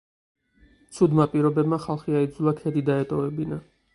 ცუდმა პირობებმა ხალხი აიძულა ქედი დაეტოვებინა.